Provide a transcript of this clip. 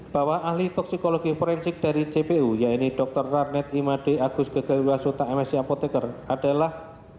bahwa ahli toksikologi forensik dari cpu yaitu dr rarnet imadi agus gekalewasuta msc apoteker adalah